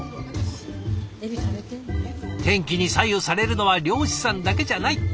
天気に左右されるのは漁師さんだけじゃない。